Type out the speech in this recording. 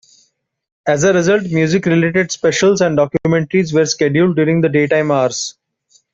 As a result, music-related specials and documentaries were scheduled during the daytime hours.